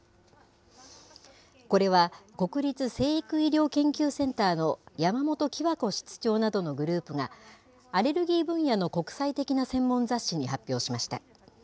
これは、国立成育医療研究センターの山本貴和子室長などのグループが、アレルギー分野の国際的な専門雑誌に発表しました。